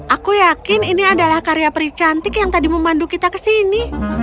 aku yakin ini adalah karya peri cantik yang tadi memandu kita kesini